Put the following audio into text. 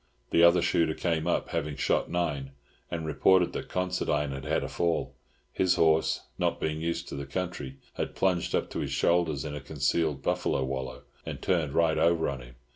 The other shooter came up, having shot nine, and reported that Considine had had a fall; his horse, not being used to the country, had plunged up to his shoulders in a concealed buffalo wallow, and turned right over on him.